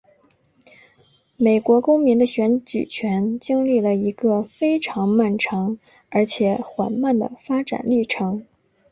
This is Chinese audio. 美国公民的选举权经历了一个非常漫长而且缓慢的发展历程。